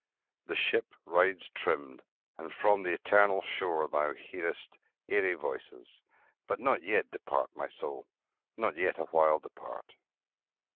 The ship rides trimmed, and from the eternal shore Thou hearest airy voices; but not yet Depart, my soul, not yet awhile depart.